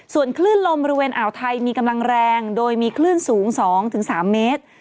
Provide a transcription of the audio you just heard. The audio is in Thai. ส่วนคลื่นลมบริเวณอ่าวไทยมีกำลังแรงโดยมีคลื่นสูง๒๓เมตร